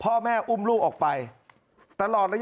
มึงอยากให้ผู้ห่างติดคุกหรอ